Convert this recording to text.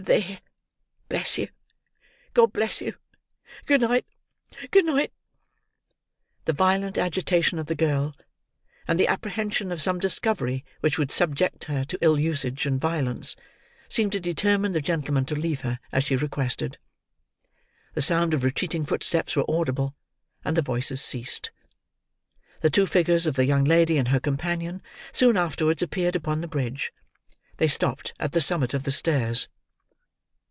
There. Bless you! God bless you. Good night, good night!" The violent agitation of the girl, and the apprehension of some discovery which would subject her to ill usage and violence, seemed to determine the gentleman to leave her, as she requested. The sound of retreating footsteps were audible and the voices ceased. The two figures of the young lady and her companion soon afterwards appeared upon the bridge. They stopped at the summit of the stairs.